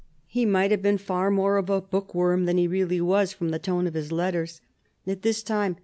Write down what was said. He might have been far more of a bookworm than he really was, from the tone of his letters at this time.